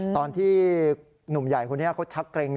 ตอนที่หนุ่มใหญ่คนนี้เขาชักเกร็ง